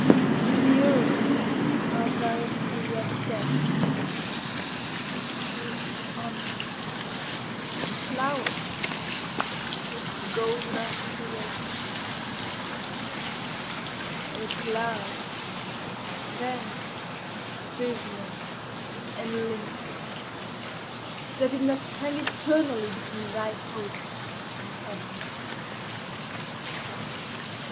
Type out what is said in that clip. to the earth art thou not forever dead? to its honors, to its flowers, to its golden aspirations? and a cloud, dense, dismal, and limitless, does it not hang eternally between thy hopes and heaven?